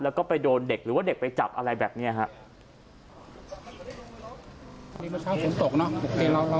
แล้วก็ไปโดนเด็กหรือว่าเด็กไปจับอะไรแบบนี้ครับ